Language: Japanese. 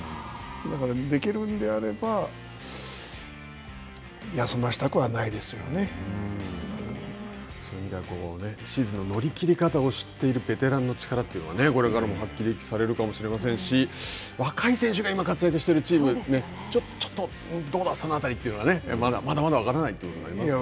だから、できるんであればそういう意味では、シーズンの乗り切り方を知っているベテランの力というのはこれからも発揮されるかもしれませんし若い選手が今、活躍しているチームちょっとどうだその辺りというのはねまだまだ分からないということになりますよね。